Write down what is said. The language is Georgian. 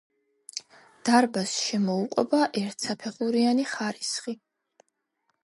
დარბაზს შემოუყვება ერთსაფეხურიანი ხარისხი.